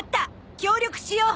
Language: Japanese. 協力しよう。